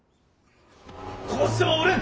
こうしてはおれん！